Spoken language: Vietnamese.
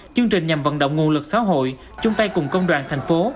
chương trình nhằm vận động nguồn lực xã hội chung tay cùng công đoàn thành phố